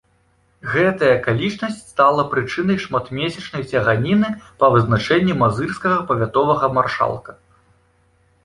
Гэтая акалічнасць стала прычынай шматмесячнай цяганіны па вызначэнні мазырскага павятовага маршалка.